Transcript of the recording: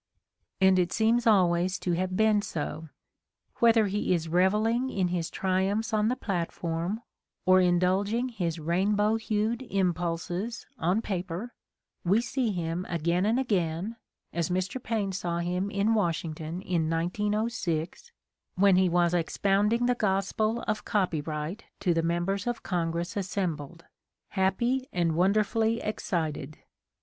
And it seems always to have been so. Whether he is "revelling" in his triumphs on the platform or indulging his "rainbow hued impulses" on paper, we see him again and again, as Mr. Paine saw him in Washington in 1906 when he was expounding the gospel of copyright to the members of Congress assembled, "happy and wonderfully ex cited."